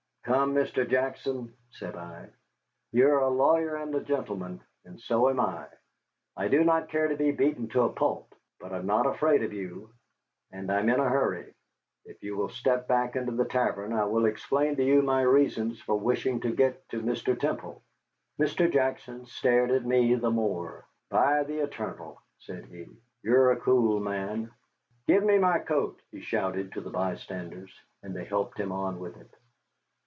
"Come, Mr. Jackson," said I, "you are a lawyer and a gentleman, and so am I. I do not care to be beaten to a pulp, but I am not afraid of you. And I am in a hurry. If you will step back into the tavern, I will explain to you my reasons for wishing to get to Mr. Temple." Mr. Jackson stared at me the more. "By the eternal," said he, "you are a cool man. Give me my coat," he shouted to the bystanders, and they helped him on with it.